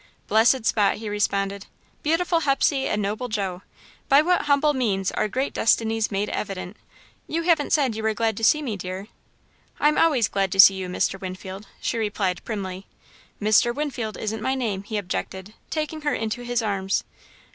"Blessed spot," he responded, "beautiful Hepsey and noble Joe! By what humble means are great destinies made evident! You haven't said you were glad to see me, dear." "I'm always glad to see you, Mr. Winfield," she replied primly. "Mr. Winfield isn't my name," he objected, taking her into his arms.